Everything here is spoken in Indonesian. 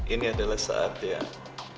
ini adalah saat yang